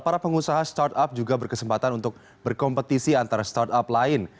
para pengusaha startup juga berkesempatan untuk berkompetisi antara startup lain